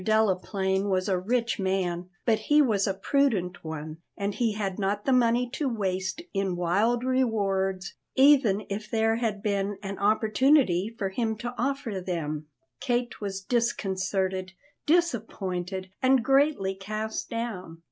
Delaplaine was a rich man, but he was a prudent one, and he had not the money to waste in wild rewards, even if there had been an opportunity for him to offer them. Kate was disconcerted, disappointed, and greatly cast down.